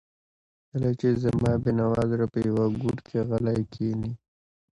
کله چې زما بېنوا زړه په یوه ګوټ کې غلی کښیني.